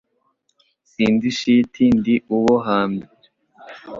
Si ndi shiti ndi uwo hambere,